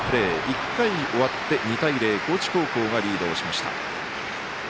１回終わって２対０高知高校がリードしました。